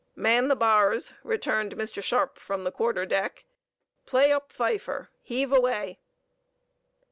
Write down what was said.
"Man the bars," returned Mr. Sharpe from the quarter deck. "Play up, fifer. Heave away!"